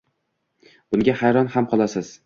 Bunga hayron ham qolasiz.